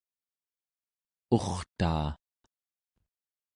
urtaa